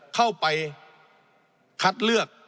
เข้าไปคัดเลือก